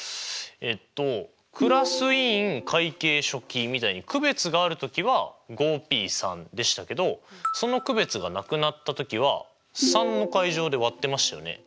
えっとクラス委員会計書記みたいに区別がある時はＰでしたけどその区別がなくなった時は３の階乗で割ってましたよね。